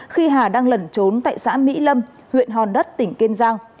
khi hà đang lẩn trốn tại xã mỹ lâm huyện hòn đất tỉnh kiên giang